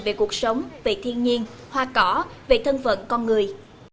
về cuộc sống về thiên nhiên hoa cỏ về thân phận con người